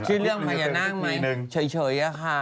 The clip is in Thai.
ชื่อเรื่องมายาน่างมั้ย